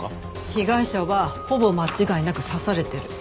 被害者はほぼ間違いなく刺されてる。